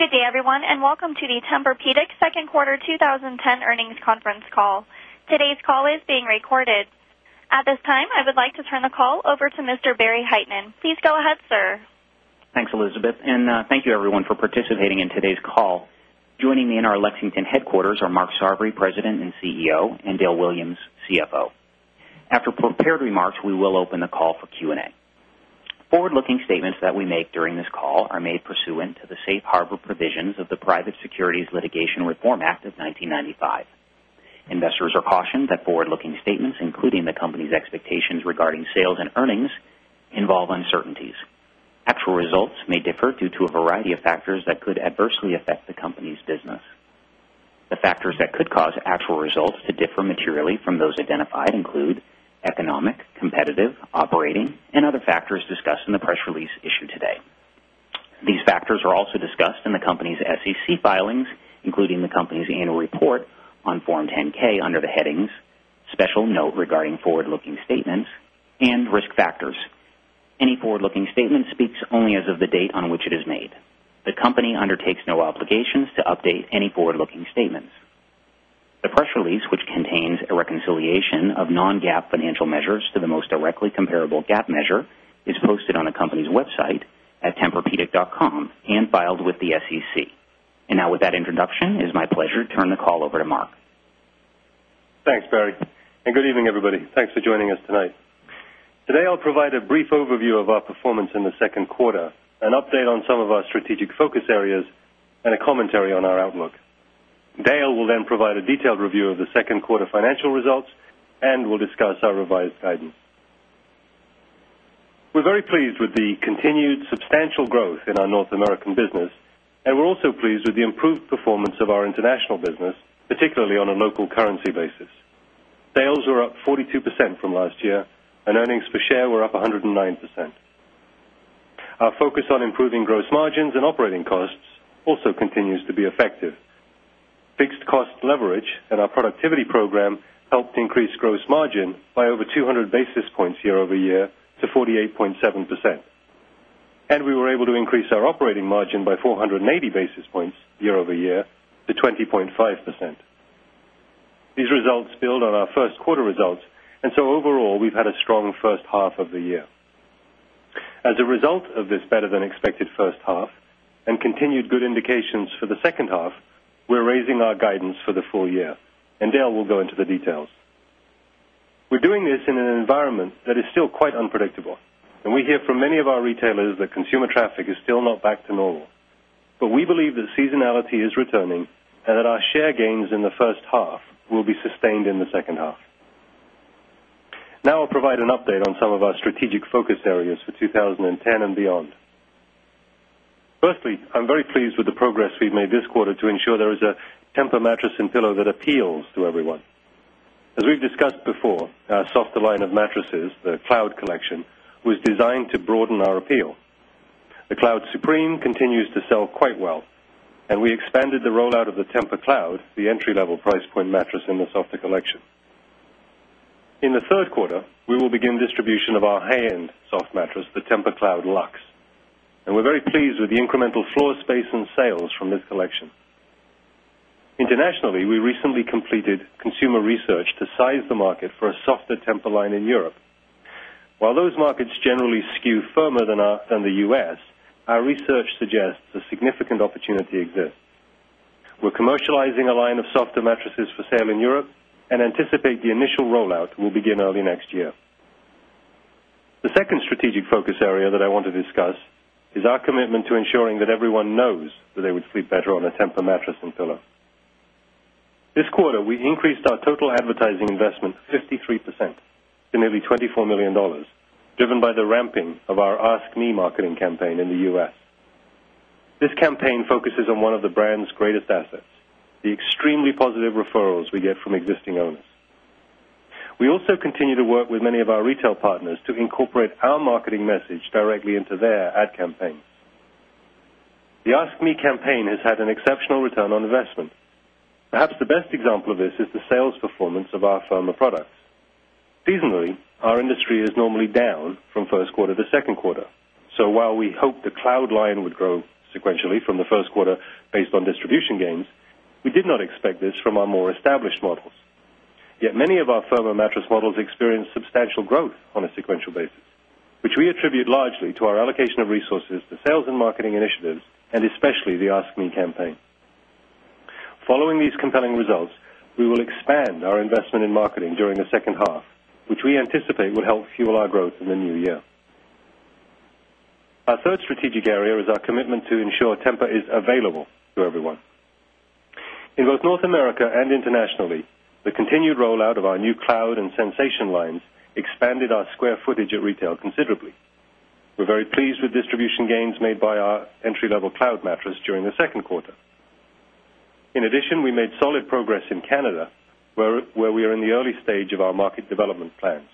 Good day, everyone, and welcome to the Tempur Pedic Second Quarter 2010 Earnings Conference Call. Today's call is being recorded. At this time, I would like to turn the call over to Mr. Barry Hytinen. Please go ahead, sir. Thanks, Elizabeth, and thank you, everyone, for participating in today's call. Joining me in our Lexington headquarters are Mark Sarvary, President and CEO and Dale Williams, CFO. After prepared remarks, we will open the call for Q and A. Forward looking statements that we make during this call are made pursuant to the Safe Harbor provisions of the Private Securities Litigation Reform Act of 1995. Investors are cautioned that forward looking statements, including the company's expectations regarding sales and earnings, involve uncertainties. Actual results may differ due to a variety of factors that could adversely affect the company's business. The factors that could cause actual results to differ materially from those identified include economic, competitive, operating and other factors discussed in the press release issued today. These factors are also discussed in the company's SEC filings, including the company's Annual Report on Form 10 ks under the headings Special Note Regarding Forward Looking Statements and Risk Factors. Any forward looking statement speaks only as of the date on which it is made. The company undertakes no obligations to update any forward looking statements. The press release, which contains a reconciliation of non GAAP financial measures to the most directly comparable GAAP measure, is posted on the company's website attemporpedic.com and filed with the SEC. And now with that introduction, it is my pleasure to turn the call over to Mark. Thanks, Barry, and good evening, everybody. Thanks for joining us tonight. Today, I'll provide a brief overview of our performance in the second quarter, an update on some of our strategic focus areas and a commentary on our outlook. Dale will then provide a detailed review of the Q2 financial results and will discuss our revised guidance. We're very pleased with the continued substantial growth in our North American business and we're also pleased with the improved performance of our international business, particularly on a local currency basis. Sales were up 42% from last year and earnings per share were up 109%. Our focus on improving gross margins and operating costs also continues to be effective. Fixed cost leverage and our productivity program helped increase gross margin by over 200 basis points year over year to 48.7%. And we were able to increase our operating margin by 480 basis points year over year to 20.5%. These results build on our Q1 results. And so, overall, we've had a strong first half of the year. As a result of this better than expected first half and continued good indications for the second half, we are raising our guidance for the full year and Dale will go into the details. We are doing this in an environment that is still quite unpredictable and we hear from many of our retailers that consumer traffic is still not back to normal. But we believe that seasonality is returning and that our share gains in the first half will be sustained in the second half. Now, I'll provide an update on some of our strategic focus areas for 2010 beyond. Firstly, I'm very pleased with the progress we've made this quarter to ensure there is a Tempur mattress and pillow that appeals to everyone. As we've discussed before, our Softer line of mattresses, the Cloud collection, was designed to broaden our appeal. The Cloud Supreme continues to sell quite well and we expanded the rollout of the Tempur Cloud, the entry level price point mattress in the Softer collection. In the Q3, we will begin distribution of our high end soft mattress, the Tempur Cloud Luxe, and we're very pleased with the incremental floor space and sales from this collection. Internationally, we recently completed consumer research to size the market for a softer Tempur line in Europe. While those markets generally skew firmer than the U. S, our research suggests a significant opportunity exists. We're commercializing a line of softer mattresses for sale in Europe and anticipate the initial rollout will begin early next year. The second strategic focus area that I want to discuss is our commitment to ensuring that everyone knows that they would sleep better on a Tempur mattress and pillow. This quarter, we increased our total advertising investment 53 percent to nearly $24,000,000 driven by the ramping of our Ask Me marketing campaign in the U. S. This campaign focuses on one of the brand's greatest assets, the extremely positive referrals we get from existing owners. We also continue to work with many of our retail partners to incorporate our marketing message directly into their ad campaign. The Ask Me campaign has had an exceptional return on investment. Perhaps the best example of this is the sales performance of our former products. Seasonally, our industry is normally down from Q1 to Q2. So, while we hope the cloud line would grow sequentially from the Q1 based on distribution gains, we did not expect this from our more established models. Yet many of our firmer mattress models experienced substantial growth on a sequential basis, which we attribute largely to our allocation of resources to sales and marketing initiatives and especially the Ask Me campaign. Following these compelling results, we will expand our investment in marketing during the second half, which we anticipate will help fuel our growth in the new year. Our 3rd strategic area is our commitment to ensure Tempa is available to everyone. In both North America and internationally, the continued rollout of our new cloud and Sensation lines expanded our square footage at retail considerably. We're very pleased with distribution gains made by our entry level cloud mattress during the Q2. In addition, we made solid progress in Canada, where we are in the early stage of our market development plans.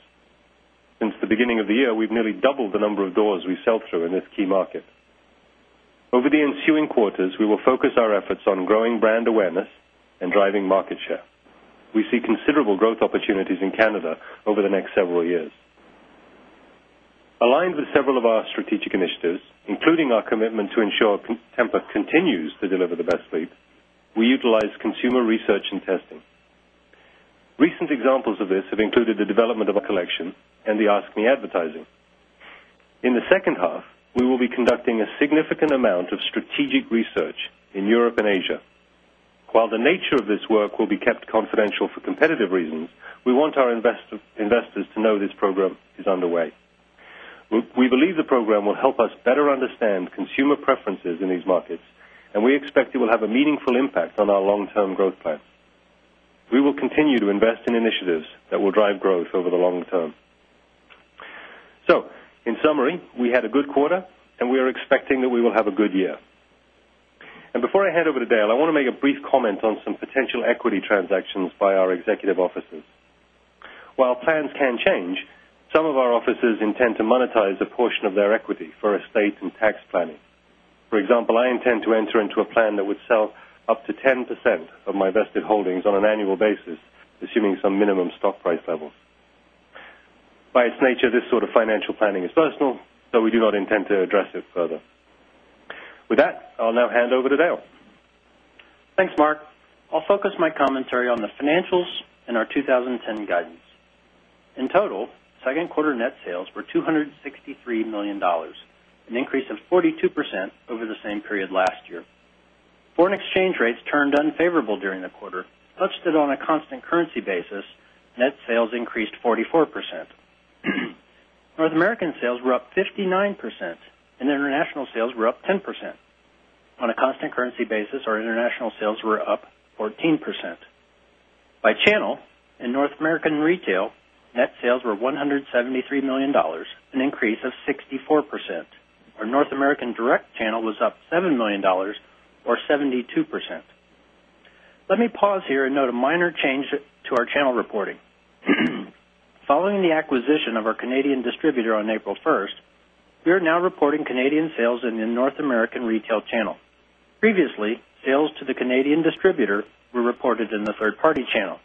Since the beginning of the year, we've nearly doubled the number of doors we sell through in this key market. Over the ensuing quarters, we will focus our efforts on growing brand awareness and driving market share. We see considerable growth opportunities in Canada over the next several years. Aligned with several of our strategic initiatives, including our commitment to ensure Tempa continues to deliver the best sleep, we utilize consumer research and testing. Recent examples of this have included the development of a collection and the Ask Me advertising. In the second half, we will be conducting a significant amount of strategic research in Europe and Asia. While the nature of this work will be kept confidential for competitive reasons, we want our investors to know this program is underway. We believe the program will help us better understand consumer preferences in these markets and we expect it will have a meaningful impact on our long term growth plan. We will continue to invest in initiatives that will drive growth over the long term. So, in summary, we had a good quarter and we are expecting that we will have a good year. And before I hand over to Dale, I want to make a brief comment on some potential equity transactions by our executive officers. While plans can change, some of our officers intend to monetize a portion of their equity for estate and tax planning. For example, I intend to enter into a plan that would sell up to 10% of my vested holdings on an annual basis, assuming some minimum stock price level. By its nature, this sort of financial planning is personal, but we do not intend to address it further. With that, I'll now hand over to Dale. Thanks, Mark. I'll focus my commentary on the financials and our 20 10 guidance. In total, 2nd quarter net sales were $263,000,000 an increase of 42% over the same period last year. Foreign exchange rates turned unfavorable during the quarter, such that on a constant currency basis, net sales increased 44%. North American sales were up 59% and international sales were up 10%. On a constant currency basis, our international sales were up 14%. By channel, in North American retail, net sales were $173,000,000 an increase of 64%. Our North American direct channel was up $7,000,000 or 72%. Let me pause here and note a minor change to our channel reporting. Following the acquisition of our Canadian distributor on April 1, we are now reporting Canadian sales in the North American retail channel. Previously, sales to the Canadian distributor were reported in the 3rd party channel.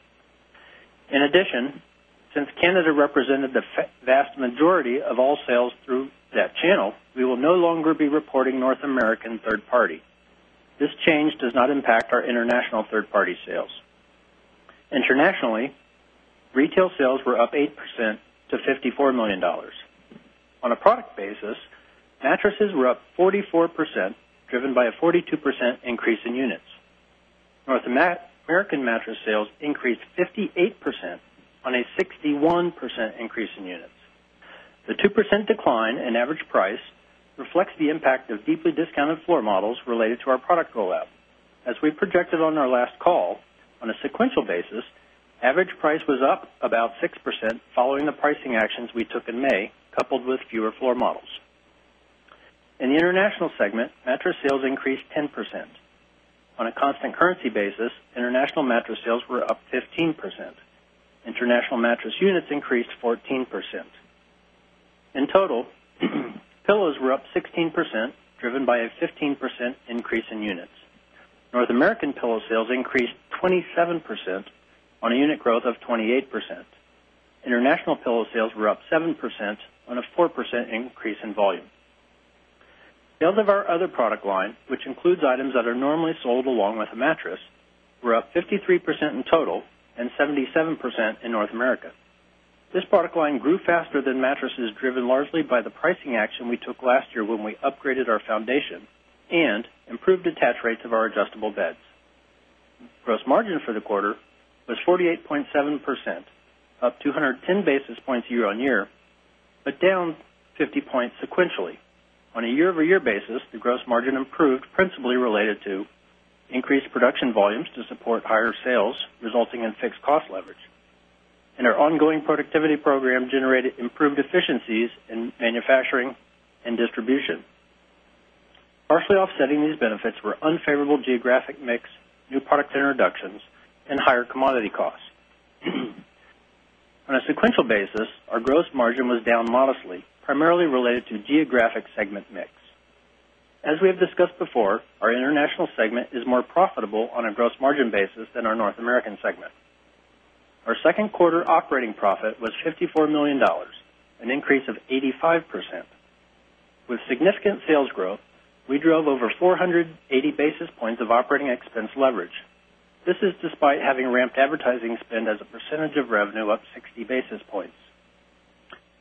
In addition, since Canada represented the vast majority of all sales through that channel, we will no longer be reporting North American 3rd party. This change does not impact our international third party sales. Internationally, retail sales were up 8% to $54,000,000 On a product basis, mattresses were up 44%, driven by a 42% increase in units. North American mattress sales increased 58% on a 61% increase in units. The 2% decline in average price reflects the impact of deeply discounted floor models related to our product rollout. As we projected on our last call, on a sequential basis, average price was up about 6% following the pricing actions we took in May coupled with fewer floor models. In the international segment, mattress sales increased 10%. On a constant currency basis, international mattress sales were up 15%. International mattress units increased 14%. In total, pillows were up 16%, driven by a 15% increase in units. North American pillow sales increased 27% on a unit growth of 28%. International pillow sales were up 7% on a 4% increase in volume. Sales of our other product line, which includes items that are normally sold along with a mattress, were up 53% in total and 77% in North America. This product line grew faster than mattresses driven largely by the pricing action we took last year when we upgraded our foundation and improved attach rates of our adjustable beds. Gross margin for the quarter was 48.7 percent, up 2 10 basis points year on year, but down 50 points sequentially. On a year over year basis, the gross margin improved principally related to increased production volumes to support higher sales, resulting in fixed cost leverage. And our ongoing productivity program generated improved efficiencies in manufacturing and distribution. Partially offsetting these benefits were unfavorable geographic mix, new product introductions and higher commodity costs. On a sequential basis, our gross margin was down modestly, primarily related to geographic segment mix. As we have discussed before, our International segment is more profitable on a gross margin basis than our North American segment. Our 2nd quarter operating profit was $54,000,000 an increase of 85%. With significant sales growth, we drove over 480 basis points of operating expense leverage. This is despite having ramped advertising spend as a percentage of revenue up 60 basis points.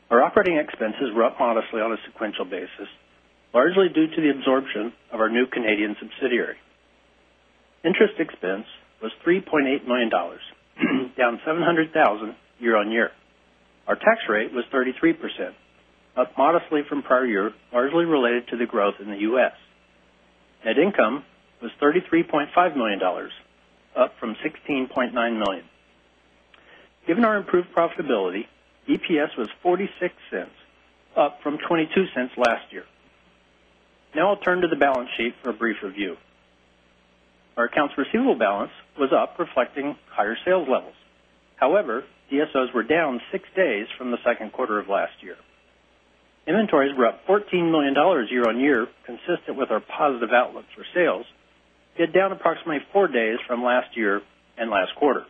Our operating expenses were up modestly on a sequential basis, largely due to the absorption of our new Canadian subsidiary. Interest expense was $3,800,000 down $700,000 year on year. Our tax rate was 33%, up modestly from prior year, largely related to the growth in the U. S. Net income was $33,500,000 up from $16,900,000 Given our improved profitability, EPS was $0.46 up from $0.22 last year. Now I'll turn to the balance sheet for a brief review. Our accounts receivable balance was up reflecting higher sales levels. However, DSOs were down 6 days from the Q2 of last year. Inventories were up $14,000,000 year on year consistent with our positive outlook for sales, yet down approximately 4 days from last year and last quarter.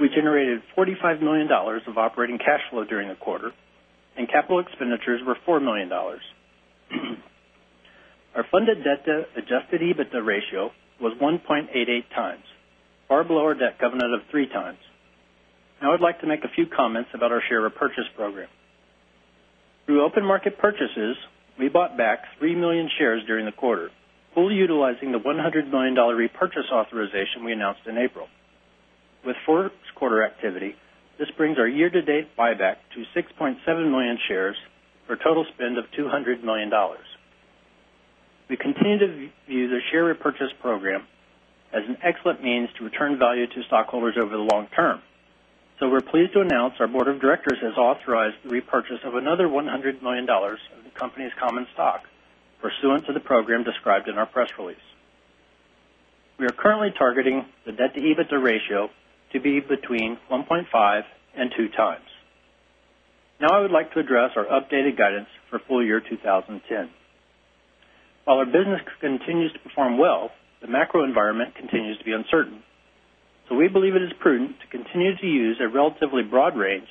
We generated $45,000,000 of operating cash flow during the quarter and capital expenditures were $4,000,000 Our funded debt to adjusted EBITDA ratio was 1.88x, far below our debt covenant of 3x. Now I'd like to make a few comments about our share repurchase program. Through open market purchases, we bought back 3,000,000 shares during the quarter, fully utilizing the $100,000,000 repurchase authorization we announced in April. With Q1 activity, this brings our year to date buyback to 6,700,000 shares for a total spend of $200,000,000 We continue to view the share repurchase program as an excellent means to return value to stockholders over the long term. So we're pleased to announce our Board of Directors has authorized the repurchase of another $100,000,000 of the company's common stock pursuant to the program described in our press release. We are currently targeting the net to EBITDA ratio to be between 1.5x and 2x. Now I would like to address our updated guidance for full year 2010. While our business continues to perform well, the macro environment continues to be uncertain. So we believe it is prudent to continue to use a relatively broad range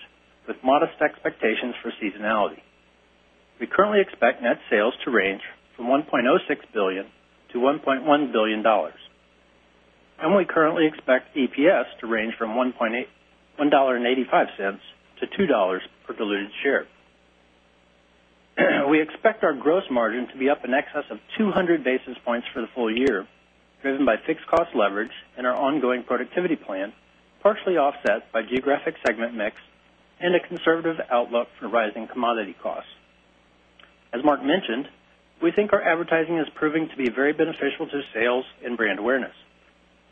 with modest expectations for seasonality. We currently expect net sales to range from $1,060,000,000 to $1,100,000,000 And we currently expect EPS to range from $1.85 to $2 per diluted share. We expect our gross margin to be up in excess of 200 basis points for the full year, driven by fixed cost leverage and our ongoing productivity plan, partially offset by geographic segment mix and a conservative outlook for rising commodity costs. As Mark mentioned, we think our advertising is proving to be very beneficial to sales and brand awareness.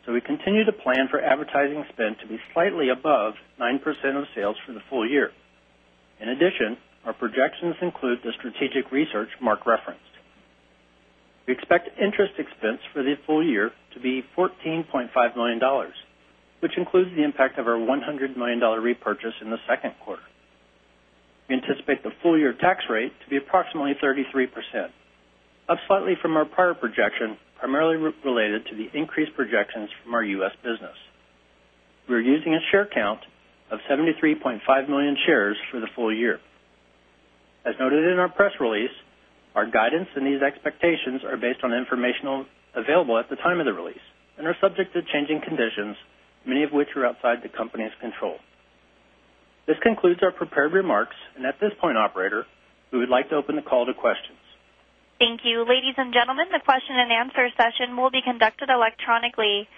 So we continue to plan for advertising spend to be slightly above 9% of sales for the full year. In addition, our projections include the strategic research Mark referenced. We expect interest expense for the full year to be $14,500,000 which includes the impact of our $100,000,000 repurchase in the 2nd quarter. We anticipate the full year tax rate to be approximately 33%, up slightly from our prior projection, primarily related to the increased projections from our U. S. Business. We're using a share count of 73,500,000 shares for the full year. As noted in our press release, our guidance and these expectations are based on information available at the time of the release and are subject to changing conditions, many of which are outside the company's control. This concludes our prepared remarks. And at this point, operator, we would like to open the call to questions. Thank you. Ladies and gentlemen, the question and answer session will be conducted electronically.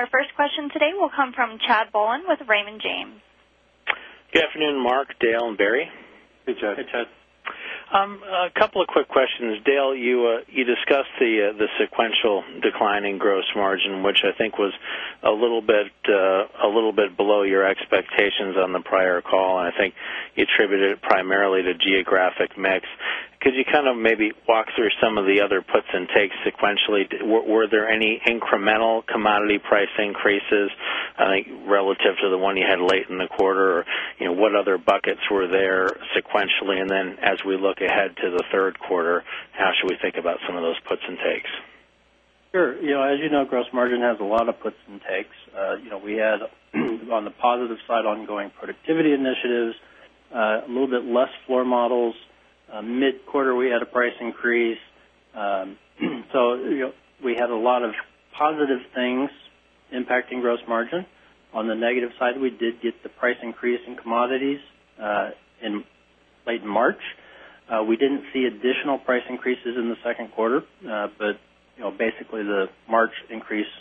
Our first question today will come from Chad Bolen with Raymond James. Good afternoon, Mark, Dale and Barry. Hey, Chad. Hey, Chad. A couple of quick questions. Dale, you discussed the sequential decline in gross margin, which I think was a little bit below your expectations on the prior call. And I think you attributed it primarily to geographic mix. Could you kind of maybe walk through some of the other puts and takes sequentially? Were there any incremental commodity price increases I think, relative to the one you had late in the quarter? What other buckets were there sequentially? And then as we look ahead to the Q3, how should we think about some of those puts and takes? Sure. As you know, gross margin has a lot of puts and takes. We had on the positive side ongoing productivity initiatives, a little bit less floor models. Mid quarter, we had a price increase. So we had a lot of positive things impacting gross margin. On the negative side, we did get the price increase in commodities in late March. We didn't see additional price increases in the 2nd quarter, but basically the March increase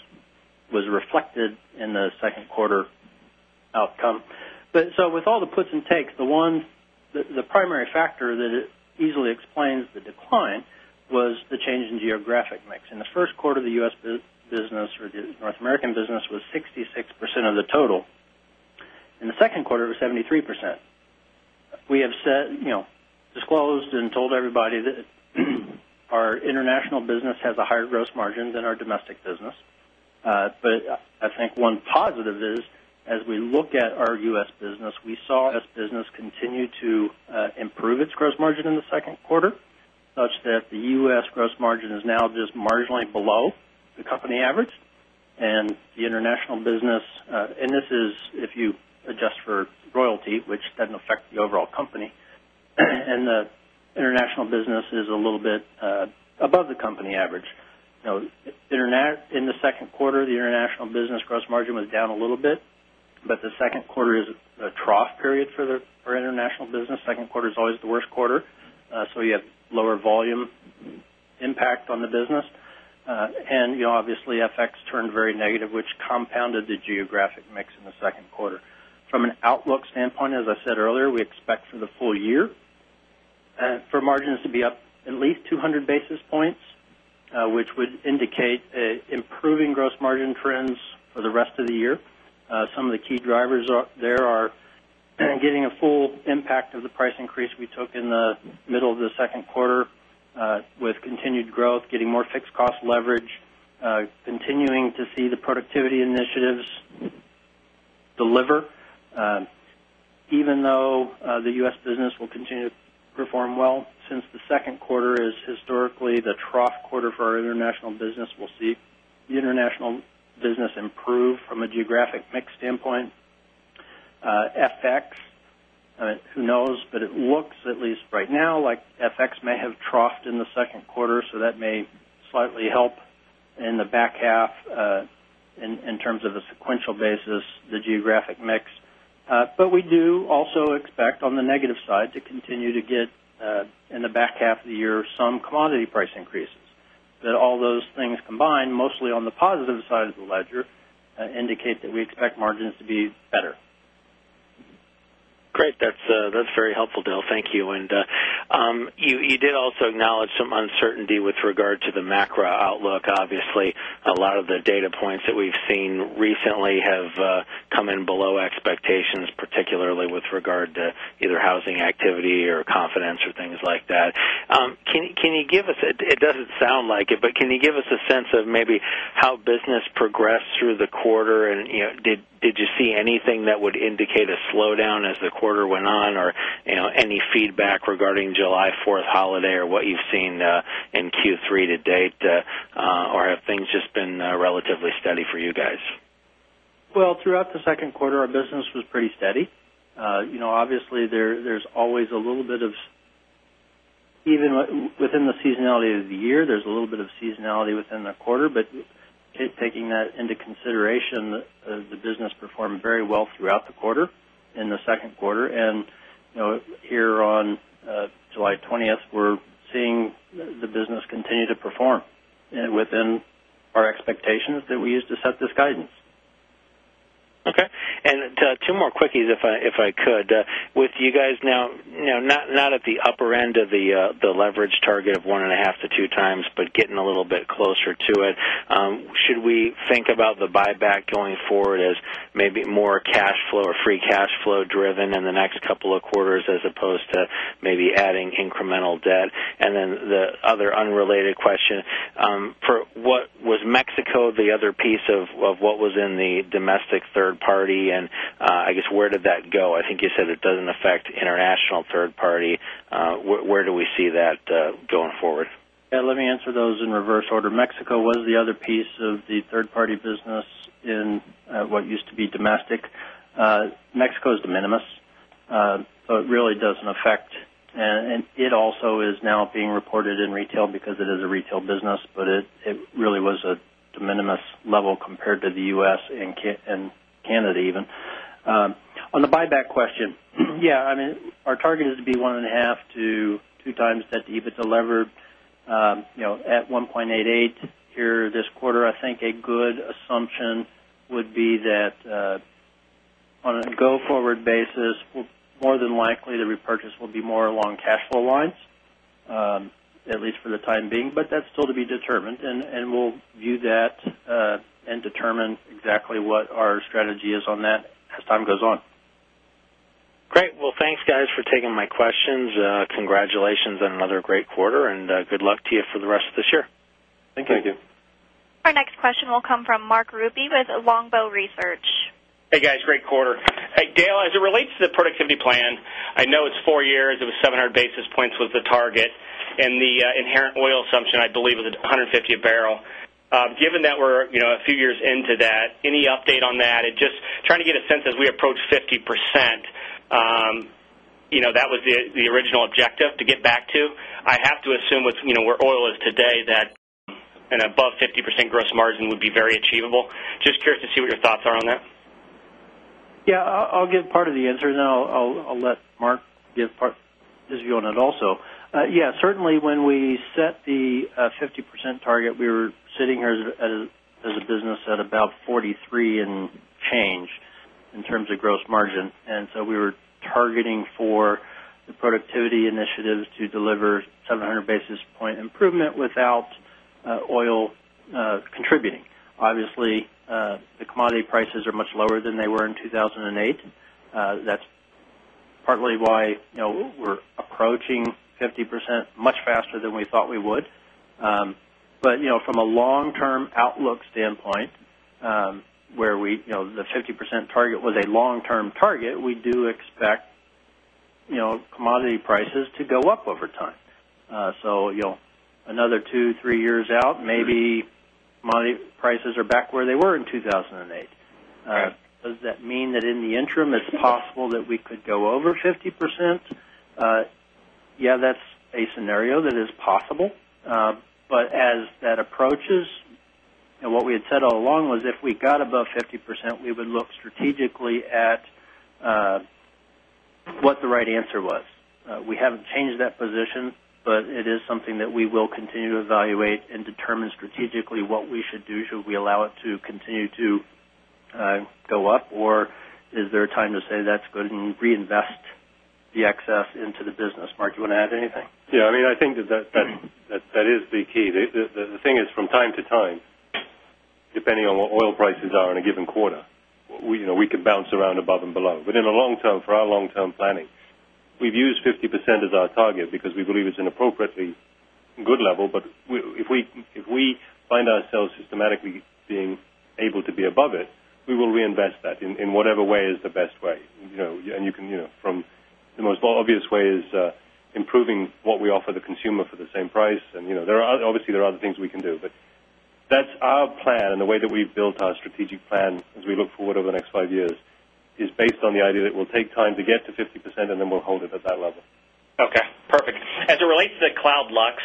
was reflected in the Q2 outcome. So with all the puts and takes, the one the primary factor that easily explains the decline was the change in geographic mix. In the Q1, the U. S. Business or the North American business was 66% of the total. In the 2nd quarter, it was 73%. We have said disclosed and told everybody that our international business has a higher gross margin than our domestic business. But I think one positive is, as we look at our U. S. Business, we saw this business continue to improve its gross margin in the Q2, such that the U. S. Gross margin is now just marginally below the company average and the international business and this is if you adjust for royalty, which doesn't affect the overall company. And the international business is a little bit above the company average. In the Q2, the international business gross margin was down a little bit, but the Q2 is a trough period for international business. 2nd quarter is always the worst quarter. So you have lower volume impact on the business. And obviously, FX turned very negative, which compounded the geographic mix in the Q2. From an outlook standpoint, as I said earlier, we expect for the full year for margins to be up at least 200 basis points, which would indicate improving gross margin trends for the rest of the year. Some of the key drivers there are getting a full impact of the price increase we took in the middle of the second quarter with continued growth, getting more fixed cost leverage, continuing to see the productivity initiatives deliver. Even though the U. S. Business will continue to perform well since the Q2 is historically the trough quarter for our international business, we'll see the international business improve from a geographic mix standpoint. FX, who knows, but it looks at least right now like FX may have troughed in the second quarter, so that may slightly help in the back half in terms of the sequential basis, the geographic mix. But we do also expect on the negative side to continue to get in the back half of the year some commodity price increases. But all those things combined mostly on the positive side of the ledger indicate that we expect margins to be better. Great. That's very helpful, Dale. Thank you. And you did also acknowledge some uncertainty with regard to the macro outlook. Obviously, a lot of the data points that we've seen recently have come in below expectations, particularly with regard to either housing activity or confidence or things like that. Can you give us it doesn't sound like it, but can you give us a sense of maybe how business progressed through the quarter? And did you see anything that would indicate a slowdown as the quarter went on? Or any feedback regarding July 4 holiday or what you've seen in Q3 to date? Or have things just been relatively steady for you guys? Well, throughout the Q2, our business was pretty steady. Obviously, there's always a little bit of even within the seasonality of the year, there's a little bit of seasonality within the quarter. But taking that into consideration, the business performed very well throughout the quarter in the second quarter. And here on July 20, we're seeing the business continue to perform within our expectations that we use to set this guidance. Okay. And 2 more quickies, if I could. With you guys now not at the upper end of the leverage target of 1.5 to 2 times, but getting a little bit closer to it. Should we think about the buyback going forward as maybe more cash flow or free cash flow driven in the next couple of quarters as opposed to maybe adding incremental debt? And then the other unrelated question, for what was Mexico the other piece of what was in the domestic third party? And I guess where did that go? I think you said it doesn't affect international third party. Where do we see that going forward? Yes. Let me answer those in reverse order. Mexico was the other piece of the 3rd party business in what used to be domestic. Mexico is de minimis, but really doesn't affect and it also is now being reported in retail because it is a retail business, but it really was a de minimis level compared to the U. S. And Canada even. On the buyback question, yes, I mean, our target is to be 1.5 to 2 times debt to EBITDA levered at 1.88 here this quarter. I think a good assumption would be that on a go forward basis, more than likely the repurchase will be more along cash flow lines, at least for the time being, but that's still to be determined and we'll view that and determine exactly what our strategy is on that as time goes on. Great. Well, thanks guys for taking my questions. Congratulations on another great quarter and good luck to you for the rest of this year. Thank you. Thank you. Our next question will come from Mark Rupee with Longbow Research. Hey, guys, great quarter. Dale, as it relates to the productivity plan, I know it's 4 years, it was 700 basis points was the target and the inherent oil assumption, I believe, was 150 a barrel. Given that we're a few years into that, any update on that? Just trying to get a sense as we approach 50%, that was the original objective to get back to. I have to assume where oil is today that an above 50% gross margin would be very achievable. Just curious to see what your thoughts are on that? Yes. I'll give part of the answer and then I'll let Mark give part his view on it also. Yes, certainly, when we set the 50% target, we were sitting here as a business at about 43% in change in terms of gross margin. And so we were targeting for the productivity initiatives to deliver 700 basis point improvement without oil contributing. Obviously, the commodity prices are much lower than they were in 2,008. That's partly why we're approaching 50% much faster than we thought we would. But from a long term outlook standpoint, where we the 50% target was a long term target, we do expect commodity prices to go up over time. So another 2, 3 years out, maybe commodity prices are back where they were in 2,008. Does that mean that in the interim, it's possible that we could go over 50%? Yes, that's a scenario that is possible. But as that approaches and what we had said all along was if we got above 50%, we would look strategically at what the right answer was. We haven't changed that position, but it is something that we will continue to evaluate and determine strategically what we should do. Should we allow it to continue to go up? Or is there a time to say that's going to reinvest the excess into the business? Mark, you want to add anything? Yes. I mean, I think that is the key. The thing is from time to time, depending on what oil prices are in a given quarter, we could bounce around above and below. But in the long term, for our long term planning, we've used 50% as our target because we believe it's an appropriately good level. But if we find ourselves systematically being able to be above it, we will reinvest that in whatever way is the best way. And you can from the most obvious way is improving what we offer the consumer for the same price. And there are obviously, there are other things we can do. But that's our plan and the way that we've built our strategic plan as we look forward over the next 5 years is based on the idea that we'll take time to get to 50% and then we'll hold it at that level. Okay, perfect. As it relates to the Cloud Luxe,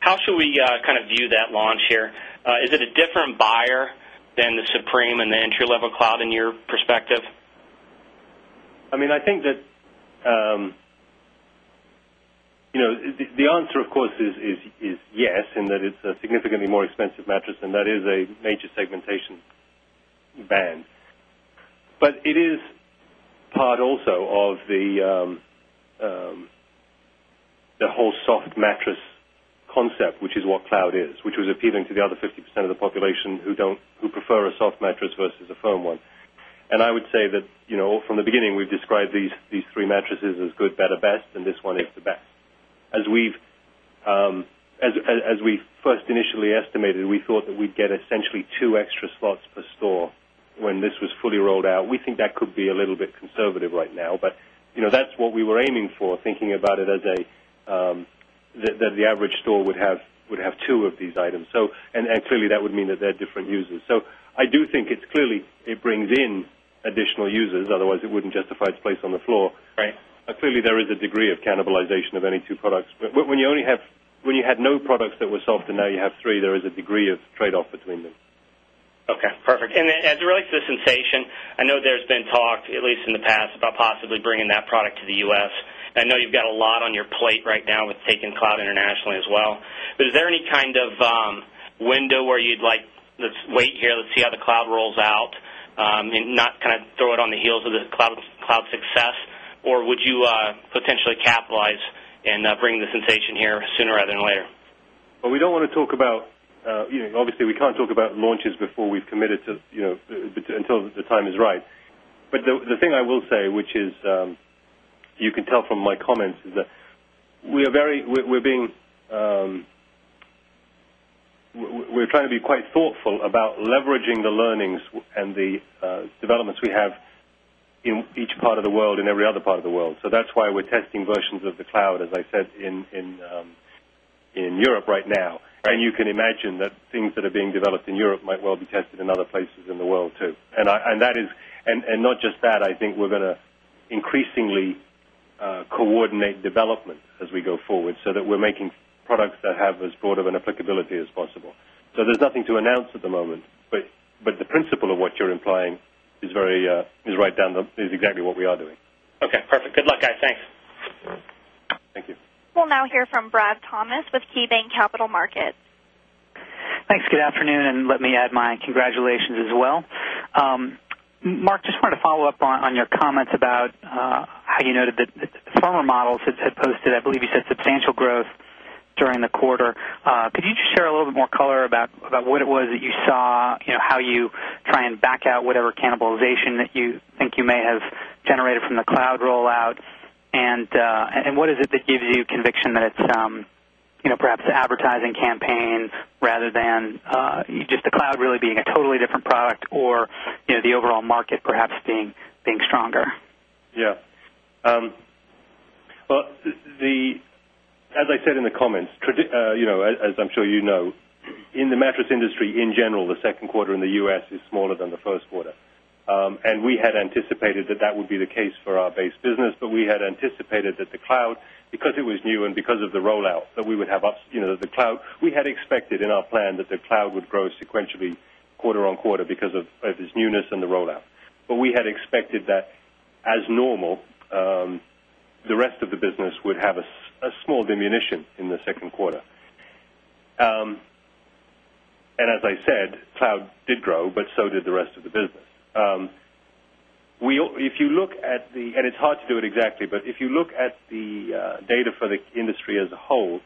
how should we kind of view that launch here? Is it a different buyer than the Supreme and the entry level cloud in your perspective? I mean, I think that the answer of course is yes and that it's a significantly more expensive mattress and that is a major segmentation ban. But it is part also of the whole soft mattress concept, which is what cloud is, which was appealing to the other 50% of the population who don't who prefer a soft mattress versus a firm one. And I would say that from the beginning, we've described these 3 mattresses as good, better, best and this one is the best. As we first initially estimated, we thought that we'd get essentially 2 extra slots per store when this was fully rolled out. We think that could be a little bit conservative right now. But that's what we were aiming for, thinking about it as a that the average store would have 2 of these items. So and clearly, that would mean that they're different users. So I do think it's clearly it brings in additional users, otherwise it wouldn't justify its place on the floor. Clearly there is a degree of cannibalization of any 2 products. But when you only have when you had no products that were softer, now you have 3, there is a degree of trade off between them. Okay, perfect. And then as it relates to the sensation, I know there's been talk at least in the past about possibly bringing that product to the U. S. I know you've got a lot on your plate right now with taking cloud internationally as well. But is there any kind of window where you'd like let's wait here, let's see how the cloud rolls out and not kind of throw it on the heels of the cloud success? Or would you potentially capitalize and bring the sensation here sooner rather than later? Well, we don't want to talk about obviously, we can't talk about launches before we've committed to until the time is right. But the thing I will say, which is you can tell from my comments is that we are very we're being we are trying to be quite thoughtful about leveraging the learnings and the developments we have in each part of the world and every other part of the world. So that's why we are testing versions of the cloud, as I said, in Europe right now. And you can imagine that things that are being developed in Europe might well be tested in other places in the world too. And that is and not just that, I think we're going to increasingly coordinate development as we go forward, so that we're making products that have as broad of an applicability as possible. So there's nothing to announce at the moment. But the principle of what you're implying is very is right down is exactly what we are doing. Okay, perfect. Good luck, guys. Thanks. Thank you. We'll now hear from Brad Thomas with KeyBanc Capital Markets. Thanks. Good afternoon and let me add my congratulations as well. Mark, just wanted to follow-up on your comments about how you noted that the former models had posted, I believe you said, substantial growth during the quarter. Could you just share a little bit more color about what it was that you saw, how you try and back out whatever cannibalization that you think you may have generated from the cloud rollout? And what is it that gives you conviction that it's perhaps advertising campaign rather than just the cloud really being a totally different product or the overall market perhaps being stronger? Yeah. Well, as I said in the comments, as I'm sure you know, in the mattress industry, in general, the Q2 in the U. S. Is smaller than the Q1. And we had anticipated that that would be the case for our base business, but we had anticipated that the cloud because it was new and because of the rollout that we would have the cloud we had expected in our plan that the cloud would grow sequentially quarter on quarter because of this newness and the rollout. But we had expected that as normal, the rest of the business would have a small diminution in the Q2. And as I said, cloud did grow, but so did the rest of the business. If you look at the and it's hard to do it exactly, but if you look at the data for the industry as a whole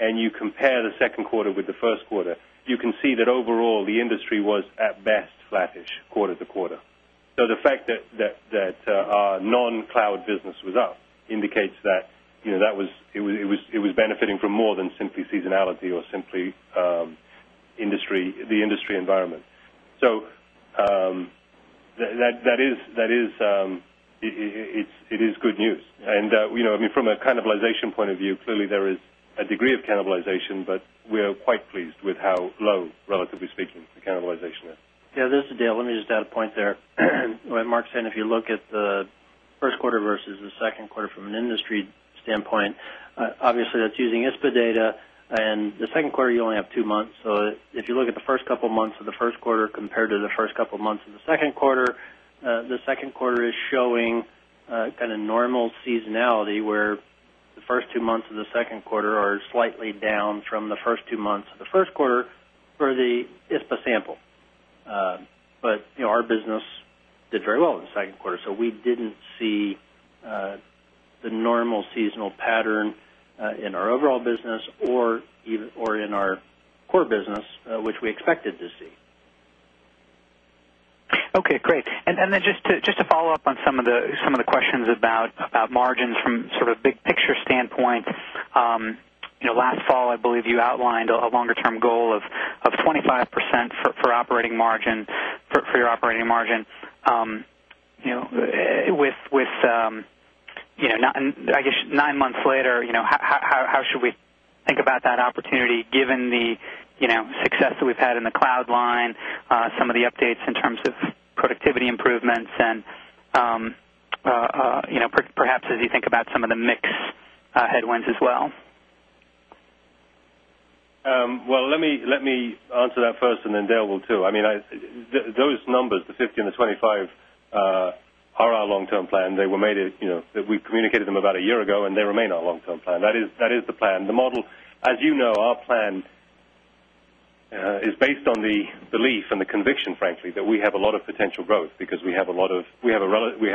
and you compare the Q2 with the Q1, you can see that overall the industry was at best flattish quarter to quarter. So the fact that our non cloud business was up indicates that it was benefiting from more than simply seasonality or simply industry the industry environment. So that is it is good news. And I mean, from a cannibalization point of view, clearly, there is a degree of cannibalization, but we are quite pleased with how low, relatively speaking, the cannibalization is. Yeah, this is Dale. Let me just add a point there. Mark said, if you look at the Q1 versus the Q2 from an industry standpoint, obviously, that's using ASPA data and the Q2, you only have 2 months. So if you look at the 1st couple of months of Q1 compared to the 1st couple of months of Q2, the Q2 is showing kind of normal seasonality where the 1st 2 months of Q2 are slightly down from the 1st 2 months of Q1 for the ISPA sample. But our business did very well in the Q2. So we didn't see the normal seasonal pattern in our overall business or in our core business, which we expected to see. Okay, great. And then just to follow-up on some of the questions about margins from sort of big picture standpoint. Last fall, I believe you outlined a longer term goal of 25 percent for operating margin for your operating margin. With I guess 9 months later, how should we think about that opportunity given the success that we've had in the cloud line, some of the updates in terms of productivity improvements and perhaps as you think about some of the mix headwinds as well? Well, let me answer that first and then Dale will too. I mean, those numbers, the 50 and the 25 are our long term plan. They were made that we communicated them about a year ago and they remain our long term plan. That is the plan. The model as you know, our plan is based on the belief and the conviction frankly that we have a lot of potential growth because we have a lot of we have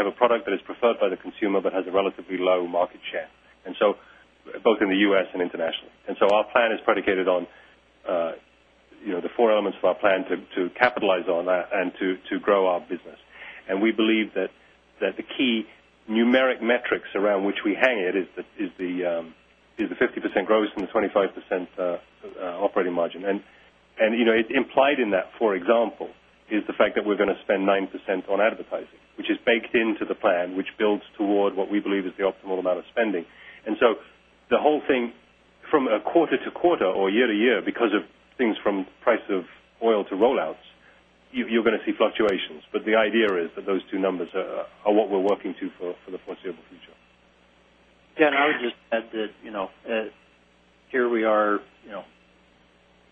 a product that is preferred by the consumer, but has a relatively low market share and so both in the U. S. And internationally. And so our plan is predicated on the four elements of our plan to capitalize on that and to grow our business. And we believe that the key numeric metrics around which we hang it is the 50% growth and the 25% operating margin. And implied in that, for example, is the fact that we're going to spend 9% on advertising, which is baked into the plan, which builds toward what we believe is the optimal amount of spending. And so the whole thing from a quarter to quarter or year to year because of things from price of oil to rollouts, you're going to see fluctuations. But the idea is that those two numbers are what we're working to for the foreseeable future. Ken, I would just add that here we are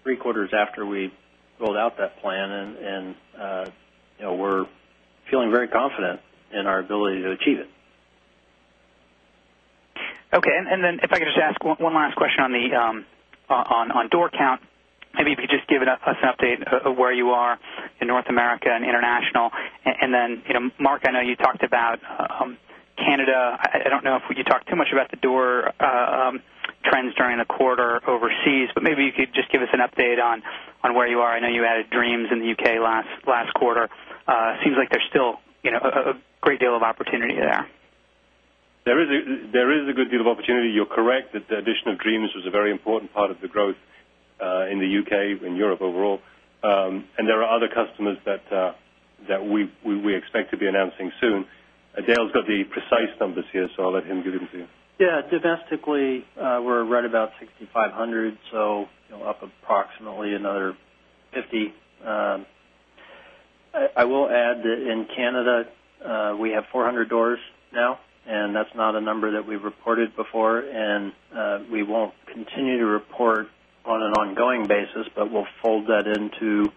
3 quarters after we rolled out that plan and we're feeling very confident in our ability to achieve it. Okay. And then if I could just ask one last question on the on door count. Maybe if you could just give us an update of where you are in North America and international. And then, Mark, I know you talked about Canada. I don't know if we could talk too much about the door trends during the quarter overseas, but maybe you could just give us an update where you are. I know you added Dreams in the U. K. Last quarter. It seems like there's still a great deal of opportunity there. There is a good deal of opportunity. You're correct that the addition of Dreams was a very important part of the growth in the U. K, in Europe overall. And there are other customers that we expect to be announcing soon. Dale has got the precise numbers here, so I'll let him give them to you. Yes. Domestically, we're right about 6,500, so up approximately another 50. I will add that in Canada, we have 400 doors now and that's not a number that we've reported before and we won't continue to report on an ongoing basis, but we'll fold that into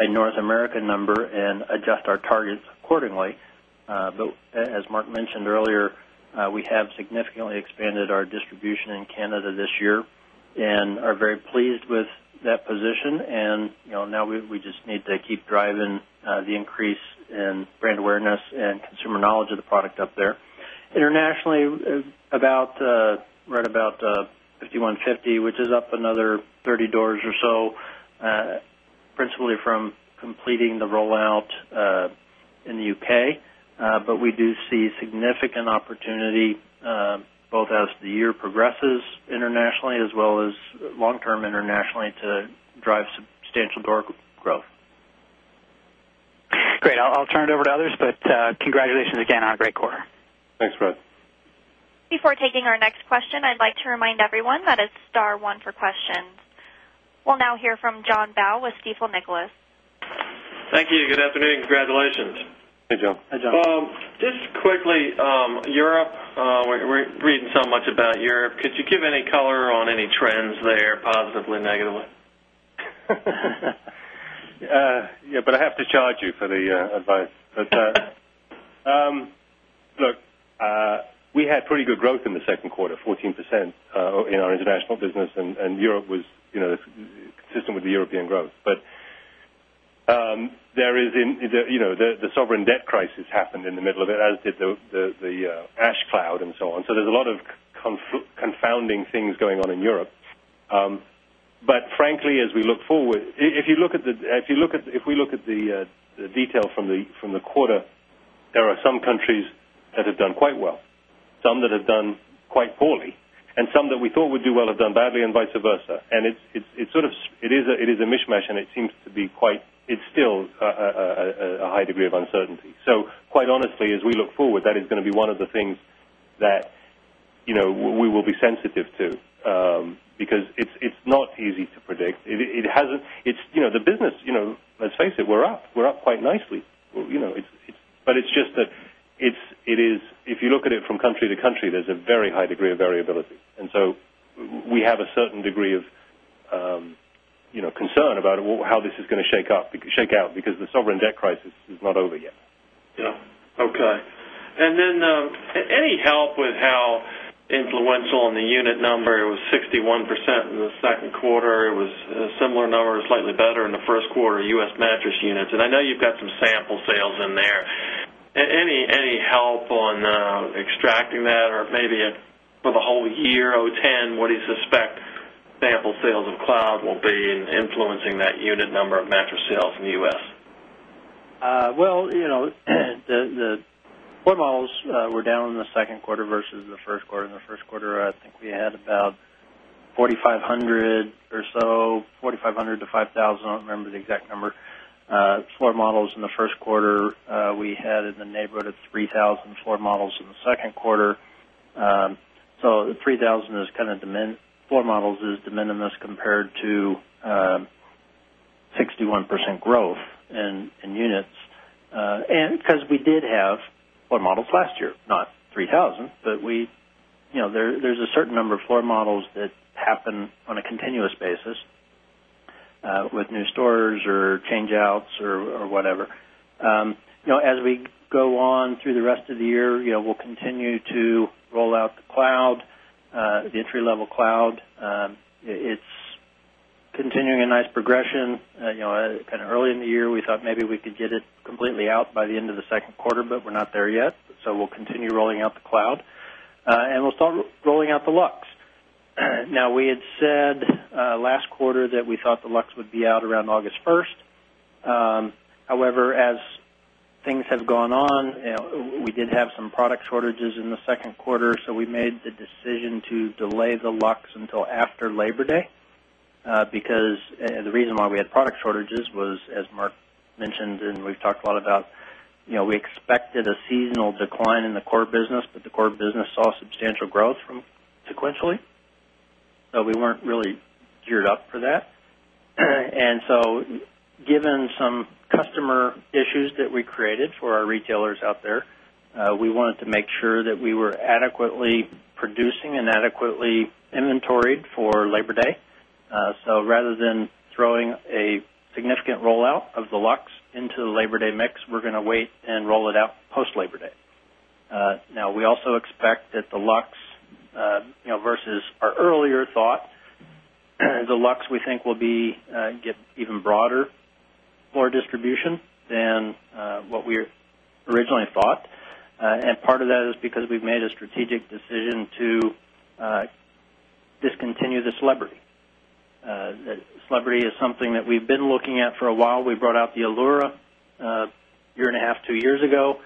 a North American number and adjust our targets accordingly. But as Mark mentioned earlier, we have significantly expanded our distribution in Canada this year and are very pleased with that position. And now we just need to keep driving the increase in brand awareness and consumer knowledge of the product up there. Internationally, about right about 5,150, which is up another 30 doors or so, principally from completing the rollout in the UK. But we do see significant opportunity, both as the year progresses internationally as well as long term internationally to drive substantial door growth. Great. I'll turn it over to others, but congratulations again on a great quarter. Thanks, Brad. We'll now hear from John Bau with Stifel Nicolaus. Thank you. Good afternoon. Congratulations. Hi, John. Hi, John. Just quickly, Europe, we're reading so much about Europe. Could you give any color on any trends there positively, negatively? Yeah, but I have to charge you for the advice. Look, we had pretty good growth in the Q2, 14% in our international business and Europe was consistent with the European growth. But there is the sovereign debt crisis happened in the middle of it as did the ash cloud and so on. So, there's a lot of confounding things going on in Europe. But frankly, as we look forward if you look at the detail from the quarter, there are some countries that have done quite well, some that have done quite poorly and some that we thought would do well have done badly and vice versa. And it's sort of it is a mishmash and it seems to be quite it's still a high degree of uncertainty. So quite honestly, as we look forward, that is going to be one of the things that we will be sensitive to because it's not easy to predict. It hasn't the business, let's face it, we're up. We're up quite nicely. But it's just that it is if you look at it from country to country, there's a very high degree of variability. And so we have a certain degree of concern about how this is going to shake out because the sovereign debt crisis is not over yet. Okay. And then any help with how influential on the unit number? It was 61% in the 2nd quarter. It was a similar number, slightly better in the Q1 U. S. Mattress units. And I know you've got some sample sales in there. Any help on extracting that? Or maybe for the whole year 'ten, what do you suspect sample sales of cloud will be influencing that unit number of mattress sales in the U. S? Well, the floor models were down in the Q2 versus the Q1. In the Q1, I think we had about 4,500 or so 4,500 to 5,000, I don't remember the exact number. Floor models in the Q1, we had in the neighborhood of 3,000 floor models in the 2nd quarter. So 3,000 is kind of demand floor models is de minimis compared to 61% growth in units. And because we did have floor models last year, not 3,000, but we there's a certain number of floor models that happen on a continuous basis with new stores or change outs or whatever. As we go on through the rest of the year, we'll continue to roll out the cloud, the entry level cloud. It's continuing a nice progression. Kind of early in the year, we thought maybe we could get it completely out by the end of the second quarter, but we're not there yet. So we'll continue rolling out the cloud. And we'll start rolling out the Luxe. Now we had said last quarter that we thought the Luxe would be out around August 1. However, as things have gone on, we did have some product shortages in the second quarter. So we made the decision to delay the Lux until after Labor Day, because the reason why we had product shortages was, as Mark mentioned and we've talked a lot about, we expected a seasonal decline in the core business, but the core business saw substantial growth from sequentially. So we weren't really geared up for that. And so given some customer issues that we created for our retailers out there, we wanted to make sure that we were adequately producing and adequately inventoried for Labor Day. So rather than throwing a significant rollout of Deluxe into the Labor Day mix, we're going to wait and roll it out post Labor Day. Now we also expect that Deluxe versus our earlier thought, Deluxe we think will be get even broader, more distribution than what we originally thought. And part of that is because we've made a strategic decision to discontinue the celebrity. Celebrity is something that we've been looking at for a while. We brought out the Allura year and a half, 2 years ago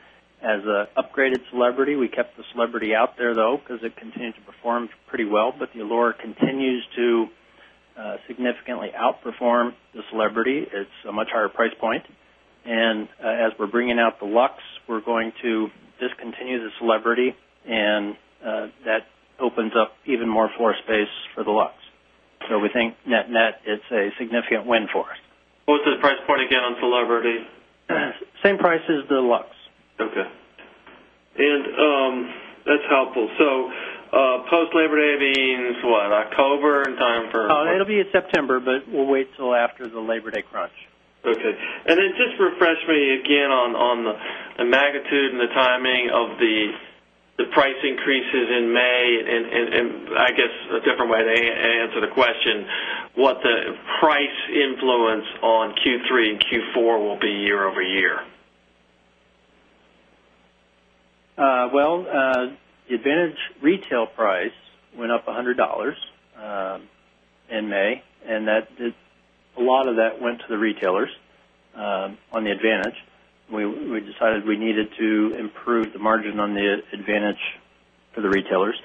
as an upgraded celebrity. We kept the celebrity out there though, because it continued to perform pretty well, but the Allure continues to significantly outperform the celebrity. It's a much higher price point. And as we're bringing out the Luxe, we're going to discontinue the celebrity and that opens up even more floor space for the Luxe. So we think net net, it's a significant win for us. What was the price point again on Celebrity? Same price as the Luxe. Okay. And that's helpful. So post Labor Day means what October in time for? It will be September, but we'll wait till after the Labor Day crunch. Okay. And then just refresh me again on the magnitude and the timing of the price increases in May and I guess a different way to answer the question, what the price influence on Q3 and Q4 will be year over year? Well, the Advantage retail price went up $100 in May and that a lot of that went to the retailers on the Advantage. We decided we needed to improve the margin on the Advantage for the retailers.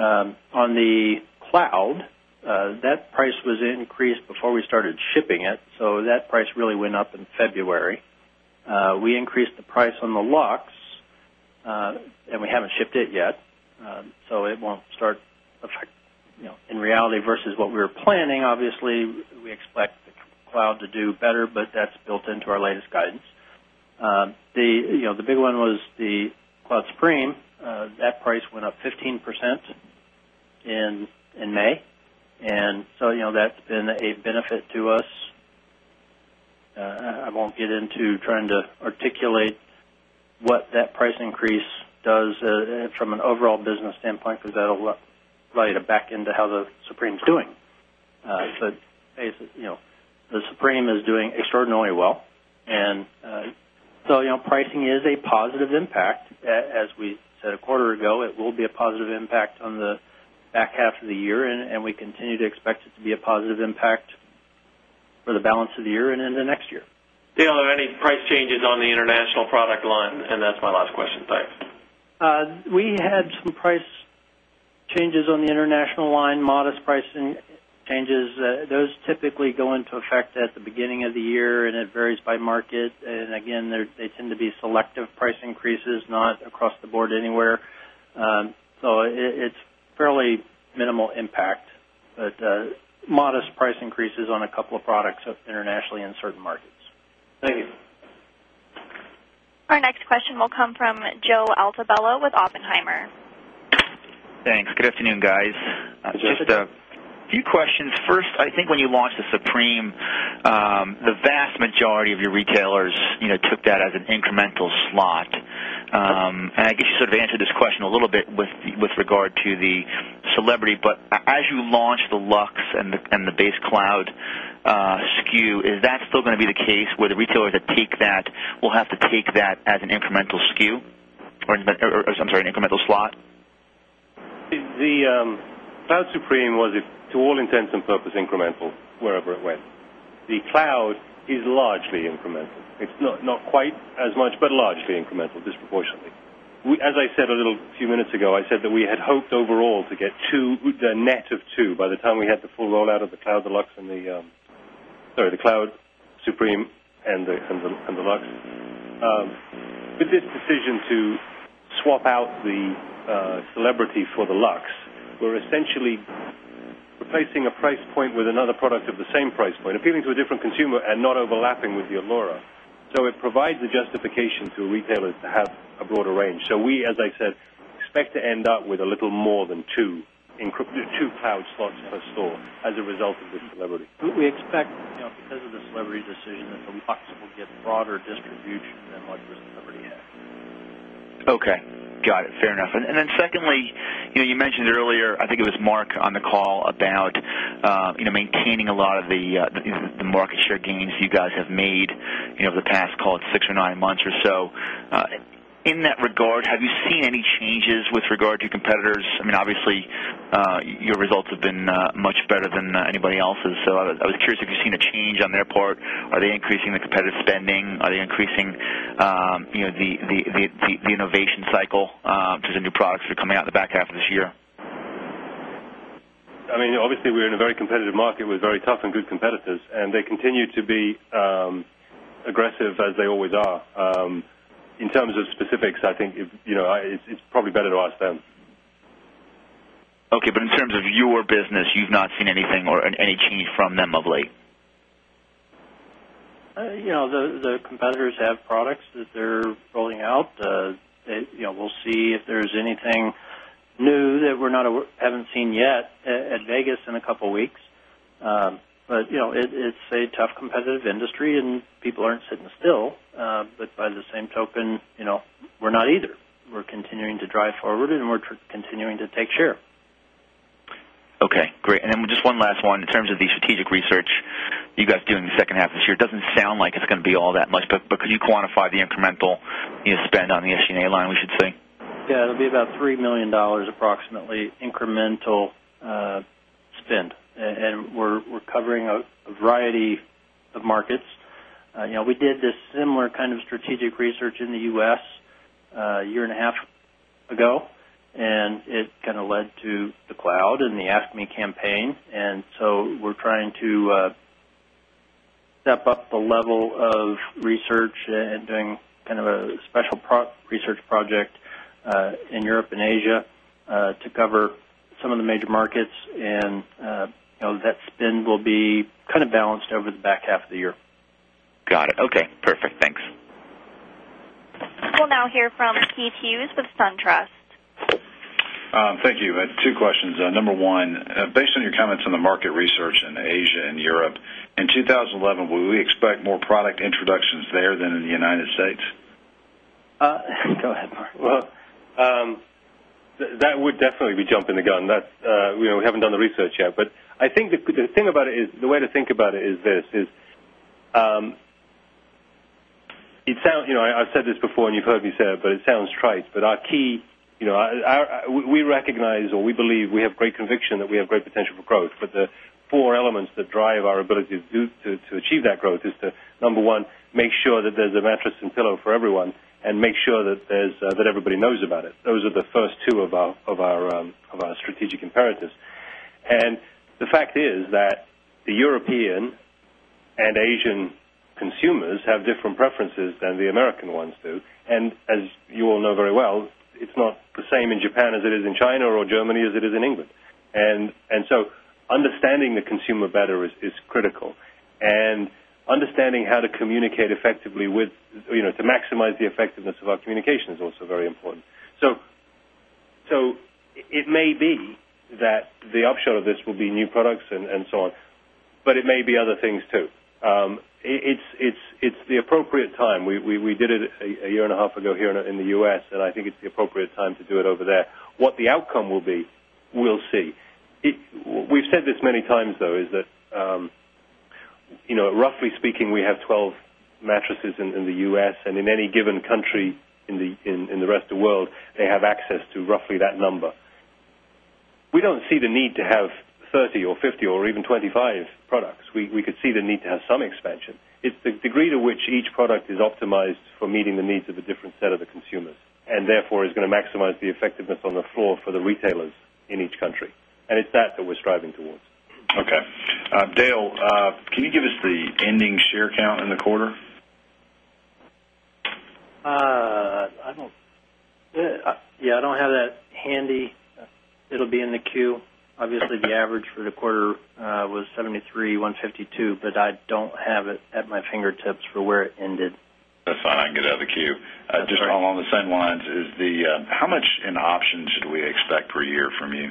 On the cloud, that price was increased before we started shipping it. So that price really went up in February. We increased the price on the Luxe, and we haven't shipped it yet. So it won't start in reality versus what we were planning. Obviously, we expect the cloud to do better, but that's built into our latest guidance. The big one was the Cloud Supreme. That price went up 15% in May. And so that's been a benefit to us. I won't get into trying to articulate what that price increase does from an overall business standpoint because that will provide a back end to how the Supreme is doing. But the Supreme is doing extraordinarily well. And so pricing is a positive impact. As we said a quarter ago, it will be a positive impact on the back half of the year and we continue to expect it to be a positive impact for the balance of the year and into next year. Dale, are there any price changes on the international product line? And that's my last question. Thanks. We had some price changes on the international line, modest pricing changes, those typically go into effect at the beginning of the year and it varies by market. And again, they tend to be selective price increases, not across the board anywhere. So it's fairly minimal impact, but modest price increases on a couple of products internationally in certain markets. Thank you. Our next question will come from Joe Altobello with Oppenheimer. Thanks. Good afternoon, guys. Just a few questions. First, I think when you launched the Supreme, the vast majority of your retailers took that as an incremental slot. And I guess you sort of answered this question a little bit with regard to the celebrity, but as you launch the Luxe and the base cloud SKU, is that still going to be the case where the retailers that take that will have to take that as an incremental SKU or I'm sorry, an incremental slot? The Cloud Supreme was to all intents and purpose incremental wherever it went. The cloud is largely incremental. It's not quite as much, but largely incremental disproportionately. As I said a little few minutes ago, I said that we had hoped overall to get 2 net of 2 by the time we had the full rollout of the Cloud Deluxe and the sorry, the Cloud Supreme and Deluxe. With this decision to swap out the celebrity for the Luxe, we're essentially replacing a price point with another product of the same price point appealing to a different consumer and not overlapping with the Allura. So it provides a justification to retailers to have a broader range. So we, as I said, expect to end up with a little more than 2 cloud slots per store as a result of this celebrity. We expect because of the celebrity decision that Deluxe will get broader distribution than what the celebrity had. Okay, got it. Fair enough. And then secondly, you mentioned earlier, I think it was Mark on the call about maintaining a lot of the market share gains you guys have made over the past, call it, 6 or 9 months or so. In that regard, have you seen any changes with regard to competitors? I mean, obviously, your results have been much better than anybody else's. So I was curious if you've seen a change on their part. Are they increasing the competitive spending? Are they increasing the innovation cycle, just the new products that are coming out the back half of this year? I mean, obviously, we're in a very competitive market with very tough and good competitors and they continue to be aggressive as they always are. In terms of specifics, I think it's probably better to ask them. Okay. But in terms of your business, you've not seen anything or any change from them of late? The competitors have products that they're rolling out. We'll see if there's anything new that we're not haven't seen yet at Vegas in a couple of weeks. But it's a tough competitive industry and people aren't sitting still. But by the same token, we're not either. We're continuing to drive forward and we're continuing to take share. Okay, great. And then just one last one in terms of the strategic research you guys do in the second half this year. It doesn't sound like it's going to be all that much, but could you quantify the incremental spend on the SG and A line we should see? Yes, it will be about $3,000,000 approximately incremental spend and we're covering a variety of markets. We did this similar kind of strategic research in the U. S. A year and a half ago, and it kind of led to the cloud and the Ask Me campaign. And so we're trying to step up the level of research and doing kind of a special research project in Europe and Asia to cover some of the major markets. And that spend will be kind of balanced over the back half of the year. Got it. Okay, perfect. Thanks. We'll now hear from Keith Hughes with SunTrust. Thank you. Two questions. Number 1, based on your comments on the market research in Asia and Europe, in 2011, will we expect more product introductions there than in the United States? Go ahead, Mark. Well, that would definitely be jumping the gun. We haven't done the research yet. But I think the thing about it is the way to think about it is this, is I've said this before and you've heard me say it, but it sounds trite, but our key we recognize or we believe we have great conviction that we have great potential for growth. But the four elements that drive our ability to achieve that growth is to, number 1, make sure that there's a mattress and pillow for everyone and make sure that there's that everybody knows about it. Those are the first two of our strategic imperatives. And the fact is that the European and Asian consumers have different preferences than the American ones do. And as you all know very well, it's not the same in Japan as it is in China or Germany as it is in England. And so, understanding the consumer better is critical. And understanding how to communicate effectively with to maximize the effectiveness of our communication is also very important. So, it may be that the upshot of this will be new products and so on, but it may be other things too. It's the appropriate time. We did it a year and a half ago here in the U. S. And I think it's the appropriate time to do it over there. What the outcome will be, we'll see. We've said this many times though is that roughly speaking, we have 12 mattresses in the U. S. And in any given country in the rest of world, they have access to roughly that number. We don't see the need to have 30 or 50 or even 25 products. We could see the need to have some expansion. It's the degree to which each product is optimized for meeting the needs of a different set of the consumers and therefore is going to maximize the effectiveness on the floor for the retailers in each country. And it's that that we're striving towards. Okay. Dale, can you give us the ending share count in the quarter? Yes, I don't have that handy. It will be in the Q. Obviously, the average for the quarter was $73,000,000 $1.52 but I don't have it at my fingertips for where it ended. That's fine. I can get out of the Q. Just along the same lines is the how much in option should we expect per year from you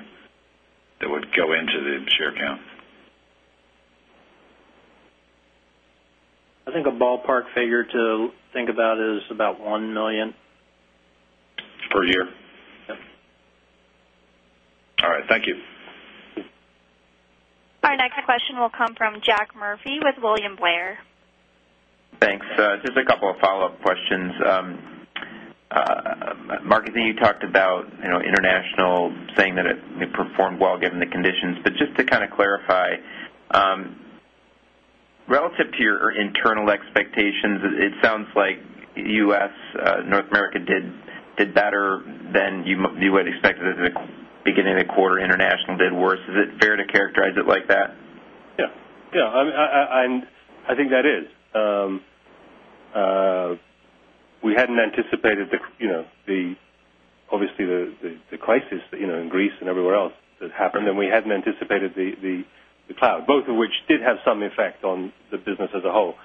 that would go into the share count? I think a ballpark figure to think about is about $1,000,000 Per year? All right. Thank you. Our next question will come from Jack Murphy with William Blair. Thanks. Just a couple of follow-up questions. Mark, I think you talked about international saying that it performed well given the conditions. But just to kind of clarify, relative to your internal expectations, it sounds like U. S, North America did better than you would expect at the beginning of the quarter, international did worse. Is it fair to characterize it like that? Yes. I think that is. We hadn't anticipated the obviously, the crisis in Greece and everywhere else that happened and we hadn't anticipated the cloud, both of which did have some effect on the business as a whole.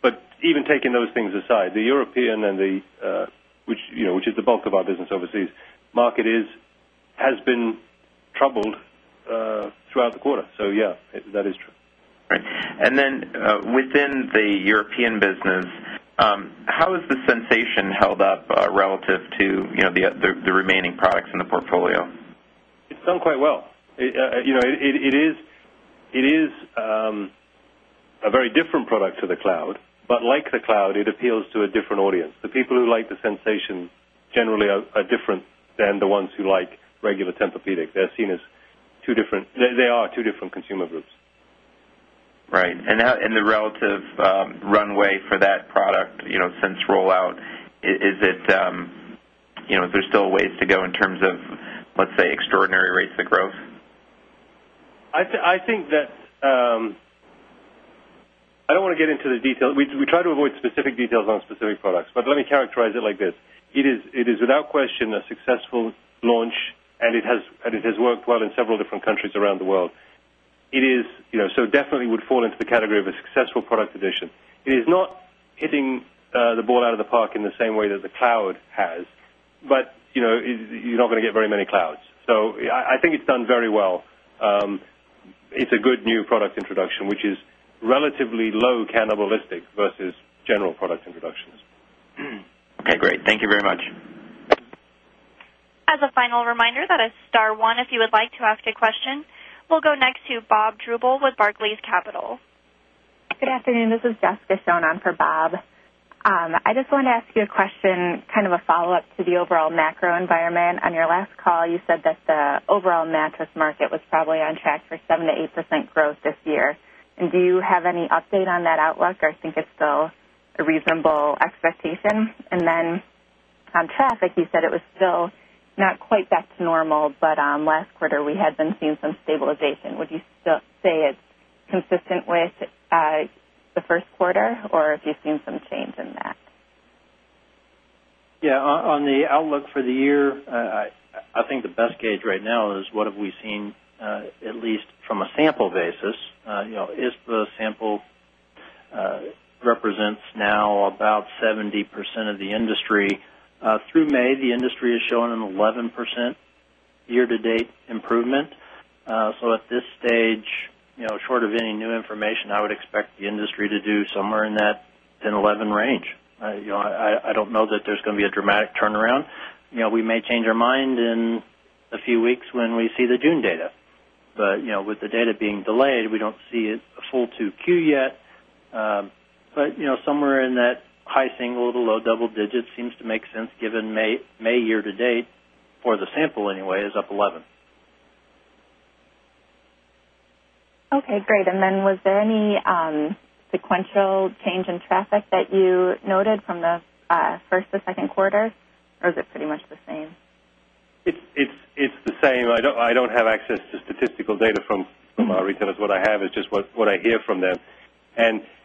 But even taking those things aside, the European and the which is the bulk of our business overseas market is has been troubled throughout the quarter. So yes, that is true. Right. And then within the European business, how is the sensation held up relative to the remaining products in the portfolio? It's done quite well. It is a very different product to the cloud, but like the cloud, it appeals to a different audience. The people who like the Sensation generally are different than the ones who like regular Tempur Pedic. They're seen as 2 different they are 2 different consumer groups. Right. And the relative runway for that product since rollout, is it is there still ways to go in terms of, let's say, extraordinary rates of growth? I think that I don't want to get into the detail. We try to avoid specific details on specific products. But let me characterize it like this. It is without question a successful launch and it has worked well in several different countries around the world. It is so definitely would fall into the category of a successful product addition. It is not hitting the ball out of the park in the same way that the cloud has, but you're not going to get very many clouds. So I think it's done very well. It's a good new product introduction, which is relatively low cannibalistic versus general product introductions. Okay, great. Thank you very much. We'll go next to Bob Drbul with Barclays Capital. Good afternoon. This is Jessica Shone on for Bob. I just wanted to ask you a question kind of a follow-up to the overall macro environment. On your last call, you said that the overall mattress market was probably on track for 7% to 8% growth this year. And do you have any update on that outlook? Or I think it's still a reasonable expectation? And then on traffic, you said it was still not quite back to normal, but last quarter, we had been seeing some stabilization. Would you still say it's consistent with the Q1? Or have you seen some change in that? Yes. On the outlook for the year, I think the best gauge right now is what have we seen at least from a sample basis. ISP sample represents now about 70% of the industry. Through May, the industry is showing an 11% year to date improvement. So at this stage, short of any new information, I would expect the industry to do somewhere in that 10%, 11% range. I don't know that there's going to be a dramatic turnaround. We may change our mind in a few weeks when we see the June data. But with the data being delayed, we don't see a full 2Q yet. But somewhere in that high single to low double digit seems to make sense given May year to date for the sample anyway is up 11. Okay, great. And then was there any sequential change in traffic that you noted from the 1st to second quarter or is it pretty much the same? It's the same. I don't have access to statistical data from our retailers. What I have is just what I hear from them. And